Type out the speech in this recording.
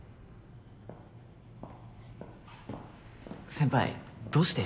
先輩どうして？